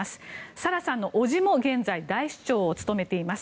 サラさんの叔父も現在大首長を務めています。